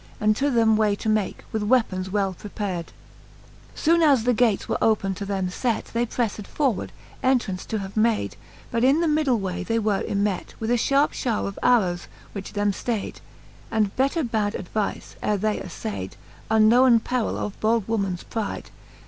And to them way .to make, with weapons well prepard. XXXVIII. Soone as the gates were open to them fet, They prefTed forward, entraunce to have made; But in the middle way they were ymet With a fharpe fhowre of arrowes, which them ftaid, And better bad advife, ere they aflaid Unknowen perill of I old womens pride.